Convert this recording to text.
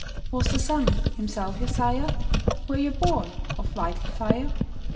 Was the sun himself your sire? Were ye born of vital fire?